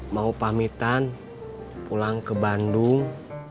mau pamitan pulang ke bandung